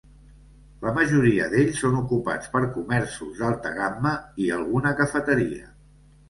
La majoria d'ells són ocupats per comerços d'alta gamma, i alguna cafeteria.